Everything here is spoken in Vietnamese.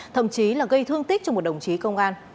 thậm chí là gây thương tích cho một đồng chí công an